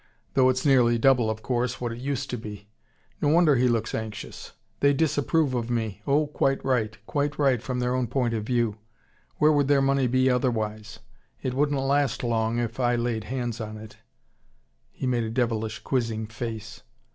Though it's nearly double, of course, what it used to be. No wonder he looks anxious. They disapprove of me oh, quite right, quite right from their own point of view. Where would their money be otherwise? It wouldn't last long if I laid hands on it " he made a devilish quizzing face.